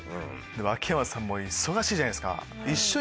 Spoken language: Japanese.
秋山さんも忙しいじゃないですか。